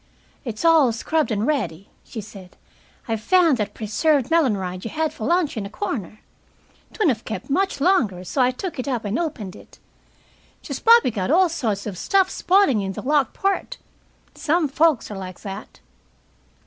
"It's all scrubbed and ready," she said. "I found that preserved melon rind you had for lunch in a corner. 'Twouldn't of kept much longer, so I took it up and opened it. She's probably got all sorts of stuff spoiling in the locked part. Some folks're like that."